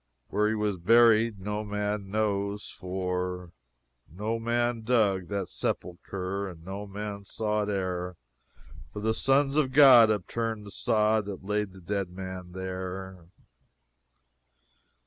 Where he was buried no man knows for "no man dug that sepulchre, And no man saw it e'er For the Sons of God upturned the sod And laid the dead man there!"